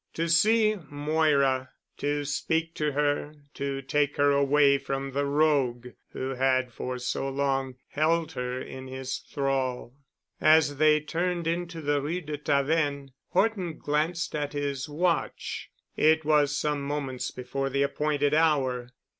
To see Moira, to speak to her, to take her away from the rogue who had for so long held her in his thrall.... As they turned into the Rue de Tavennes Horton glanced at his watch. It was some moments before the appointed hour.